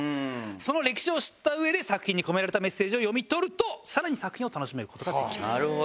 その歴史を知ったうえで作品に込められたメッセージを読み取ると更に作品を楽しめる事ができます。